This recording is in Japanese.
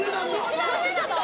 一番上なの？